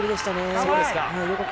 そうですか。